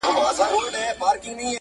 ما چې د سپیني بیړۍ لوست نیمایې ته ورساوه